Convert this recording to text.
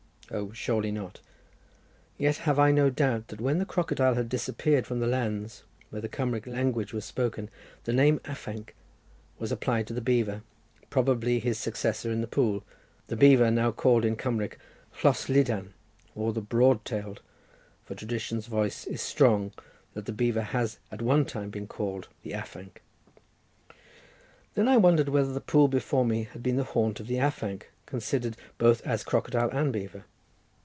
O, surely not. Yet have I no doubt that, when the crocodile had disappeared from the lands where the Cumric language was spoken, the name afanc was applied to the beaver, probably his successor in the pool; the beaver now called in Cumric Llostlydan, or the broad tailed, for tradition's voice is strong that the beaver has at one time been called the afanc." Then I wondered whether the pool before me had been the haunt of the afanc, considered both as crocodile and beaver.